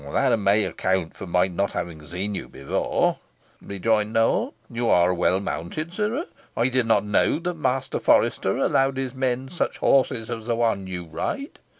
"That may account for my not having seen you before," rejoined Nowell. "You are well mounted, sirrah. I did not know the master forester allowed his men such horses as the one you ride."